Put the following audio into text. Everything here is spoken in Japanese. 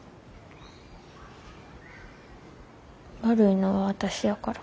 悪いのは私やから。